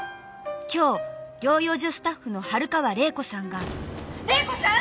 「今日療養所スタッフの春川玲子さんが」玲子さん！？